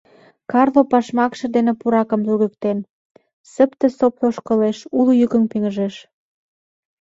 Карло пашмакше дене пуракым тӱргыктен, сыпте-сопто ошкылеш, уло йӱкын пеҥыжеш: